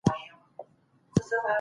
غریبان تل د شتمنو تر اغیز لاندې وي.